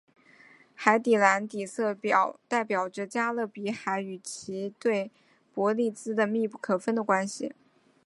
海蓝底色代表着加勒比海与其对伯利兹的密不可分的关系。